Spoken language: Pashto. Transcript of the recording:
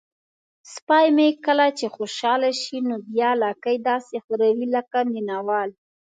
سپی مې کله چې خوشحاله شي نو بیا لکۍ داسې ښوروي لکه مینه وال.